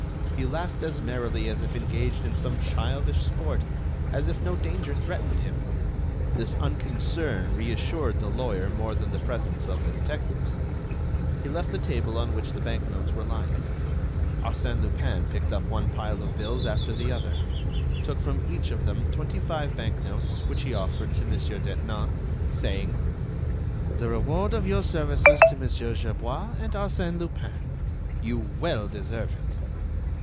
He laughed as merrily as if engaged in some childish sport, as if no danger threatened him. This unconcern reassured the lawyer more than the presence of the detectives. He left the table on which the bank notes were lying. Arsène Lupin picked up one pile of bills after the other, took from each of them twenty five bank notes which he offered to Mon. Detinan, saying: "The reward of your services to Monsieur Gerbois and Arsène Lupin. You well deserve it."